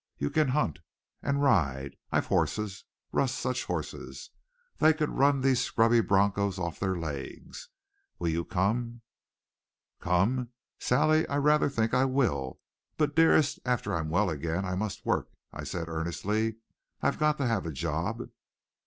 You can hunt. And ride! I've horses, Russ, such horses! They could run these scrubby broncos off their legs. Will you come?" "Come! Sally, I rather think I will. But, dearest, after I'm well again I must work," I said earnestly. "I've got to have a job."